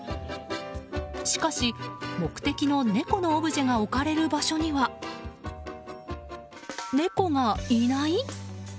しかし、目的の猫のオブジェが置かれる場所には猫がいない？